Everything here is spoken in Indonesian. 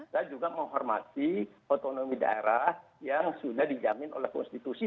dan juga menghormati otonomi daerah yang sudah dijamin oleh konstitusi